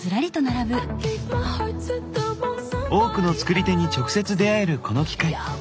多くの作り手に直接出会えるこの機会。